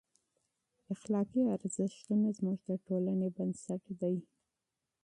اخلاقي ارزښتونه زموږ د ټولنې بنسټ دی.